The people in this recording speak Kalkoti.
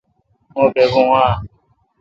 مہبےبوں آں؟